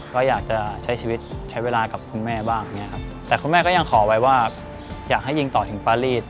ก็อยากจะใช้ชีวิตใช้เวลากับคุณแม่บ้างเนี้ยครับแต่คุณแม่ก็ยังขอไว้ว่าอยากให้ยิงต่อถึงปารีส